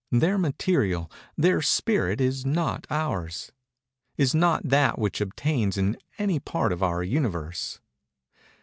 Their material—their spirit is not ours—is not that which obtains in any part of our Universe.